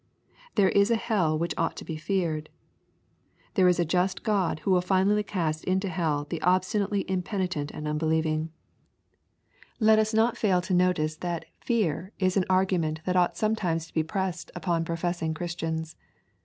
There is a hell which ought to be feared. There is a just God who will finally OAst into hell th«> obstiaately impenitent and unbelieving. 64 EXPOSITORY THOUGHTS. Let us not fail to notice that '^ fear" is an argument that ought sometimes to be pressed on professing Christians.